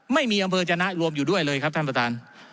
ไม่มีอำเภอจนะรวมอยู่ด้วยเลยครับท่านประธาน